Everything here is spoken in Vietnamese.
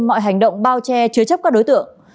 mọi hành động bao che chứa chấp các đối tượng